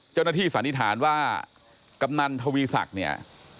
เจ้าหน้าที่สันนิษฐานว่ากำนันทวีสักเนี่ย